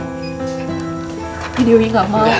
tapi dewi gak mau